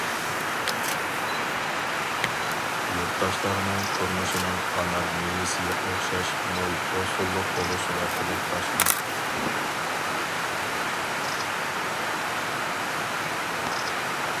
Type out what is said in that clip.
يۇرتداشلارنىڭ تۇرمۇشىنىڭ ئانار مېۋىسىگە ئوخشاش مول ھوسۇللۇق بولۇشىغا تىلەكداشمەن.